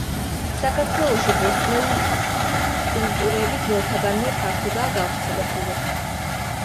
საქართველოში ბოსტნეული კულტურები ძველთაგანვე ფართოდაა გავრცელებული.